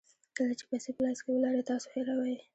کله چې پیسې په لاس کې ولرئ تاسو هیروئ.